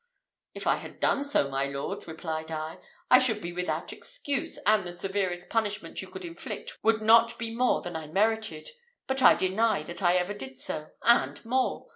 "If I had done so, my lord," replied I, "I should be without excuse, and the severest punishment you could inflict would not be more than I merited. But I deny that I ever did so; and more!